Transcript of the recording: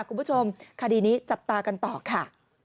คุณผู้ชมคดีนี้จับตากันต่อค่ะ